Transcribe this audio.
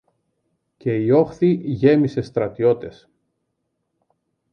Και η όχθη γέμισε στρατιώτες.